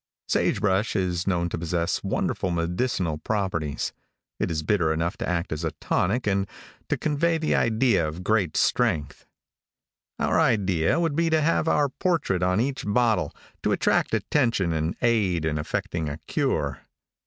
Sage brush is known to possess wonderful medicinal properties. It is bitter enough to act as a tonic and to convey the idea of great strength. Our idea would be to have our portrait on each bottle, to attract attention and aid in effecting a cure.